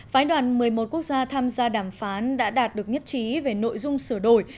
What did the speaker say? phái đoàn một mươi một quốc gia tham gia đàm phán đã đạt được nhất trí về nội dung sửa đổi